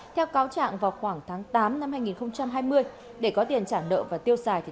theo cáo trạng vào khoảng tháng tám năm hai nghìn hai mươi để có tiền trả nợ và tiêu xài